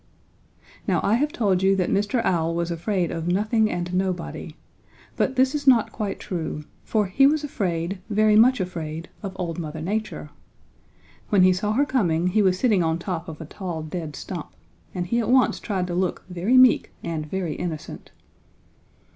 "Now I have told you that Mr. Owl was afraid of nothing and nobody, but this is not quite true, for he was afraid, very much afraid of old Mother Nature. When he saw her coming he was sitting on top of a tall dead stump and he at once tried to look very meek and very innocent.